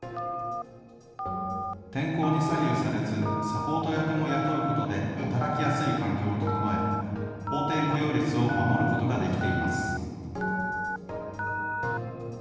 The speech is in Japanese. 天候に左右されず、サポート役も雇うことで働きやすい環境を整え、法定雇用率を守ることができています。